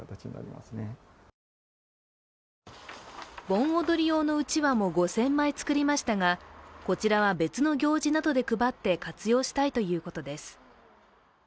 盆踊り用のうちわも５０００枚作りましたがこちらは別の行事などで配って活用したいということです。